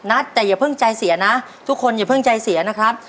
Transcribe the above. นัทแต่อย่าเพิ่งใจเสียนะทุกคนอย่าเพิ่งใจเสียนะครับ